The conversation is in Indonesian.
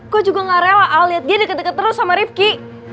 kok juga gak rela lihat dia deket deket terus sama rifki